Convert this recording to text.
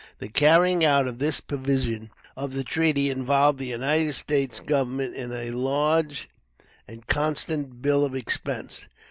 The carrying out of this provision of the treaty involved the United States government in a large and constant bill of expense.